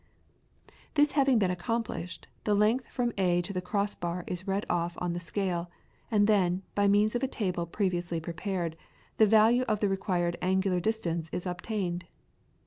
This having been accomplished, the length from A to the cross bar is read off on the scale, and then, by means of a table previously prepared, the value of the required angular distance is obtained.